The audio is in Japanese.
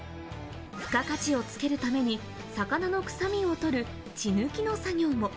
付加価値をつけるために、魚の臭みを取る血抜きの作業も。